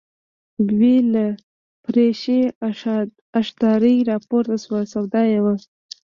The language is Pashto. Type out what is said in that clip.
ببۍ له فرشي اشدارې راپورته شوه، سودا یې وه.